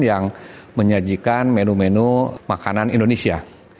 yang menyajikan menu menu makanan indonesia